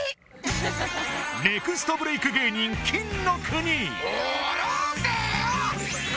ネクストブレイク芸人おろせよ！